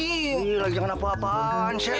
ini lagi jangan apa apaan